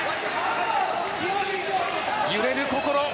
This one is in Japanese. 揺れる心。